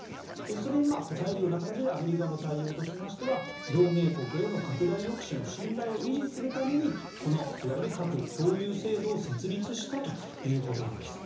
それに応えるような形でアメリカの対応としましては同盟国への拡大抑止の信頼を維持するためにこの核共有制度を設立したということなんです。